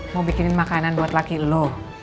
mau bikinin makanan buat laki lo